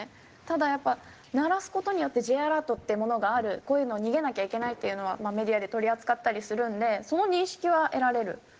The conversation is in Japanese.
ただやっぱ鳴らす事によってＪアラートっていうものがあるこういうのを逃げなきゃいけないっていうのはメディアで取り扱ったりするんでその認識は得られる。